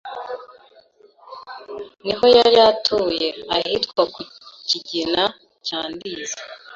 Niho yari atuye, ahitwa ku Kigina cya Ndiza